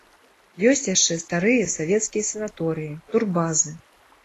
Ёсць яшчэ старыя савецкія санаторыі, турбазы.